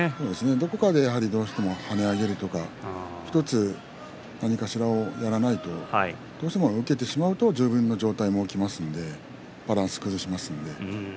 どこかで１つ跳ね上げるとか何かしらやらないとどうしても受けてしまうと自分の上体も起きますのでバランスを崩します。